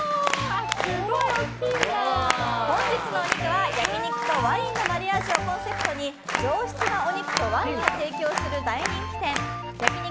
本日のお肉は焼き肉とワインのマリアージュをコンセプトに上質なお肉とワインを提供する大人気店焼肉